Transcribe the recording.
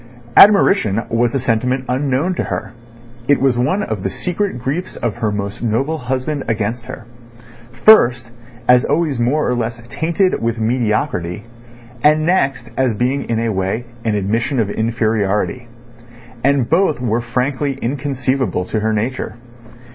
Admiration was a sentiment unknown to her (it was one of the secret griefs of her most noble husband against her)—first, as always more or less tainted with mediocrity, and next as being in a way an admission of inferiority. And both were frankly inconceivable to her nature.